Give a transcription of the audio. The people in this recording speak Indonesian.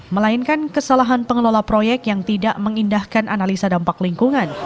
melainkan kesalahan pengelola proyek yang tidak mengindahkan analisa dampak lingkungan